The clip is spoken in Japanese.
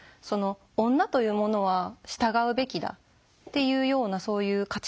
女というものは従うべきだっていうようなそういう価値観ですよね。